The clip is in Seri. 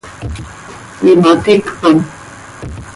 Cöimaticpan.